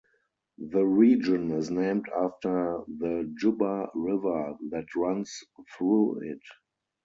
The region is named after the Jubba River that runs through it.